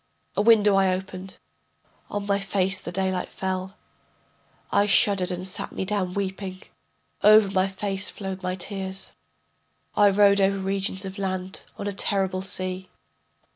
A window I opened, on my face the daylight fell. I shuddered and sat me down weeping, Over my face flowed my tears. I rode over regions of land, on a terrible sea.